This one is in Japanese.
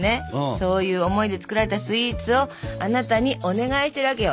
そういう思いで作られたスイーツをあなたにお願いしてるわけよ。